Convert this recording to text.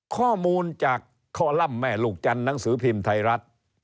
ข้อมูลจากคอลัมป์แม่ลูกจันทร์หนังสือพิมพ์ไทยรัฐ